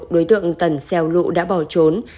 đối tượng tần xeo lụ đã bỏ trốn